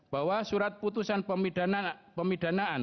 bahwa surat putusan pemidanaan